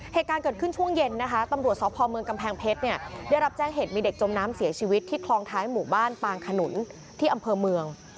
เหตุการณ์เกิดขึ้นช่วงเย็นนะคะตำรวจสพเมืองกำแพงเพชรเนี่ยได้รับแจ้งเหตุมีเด็กจมน้ำเสียชีวิตที่คลองท้ายหมู่บ้านปางขนุนที่อำเภอเมือง